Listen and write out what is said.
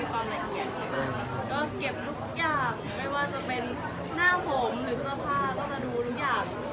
ก็เก็บทุกอย่างก็ไม่ว่าจะเป็นหน้าผมหรือสภาพก็จะดูทุกอย่าง